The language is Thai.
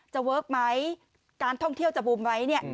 จะเวิร์กไหมการท่องเที่ยวจะปูมไว้